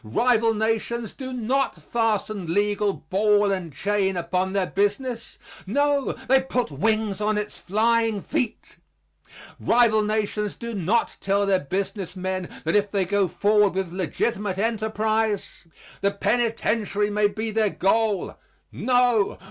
Rival nations do not fasten legal ball and chain upon their business no, they put wings on its flying feet. Rival nations do not tell their business men that if they go forward with legitimate enterprise the penitentiary may be their goal. No!